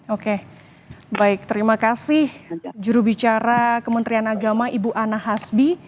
oke baik terima kasih jurubicara kementerian agama ibu ana hasbi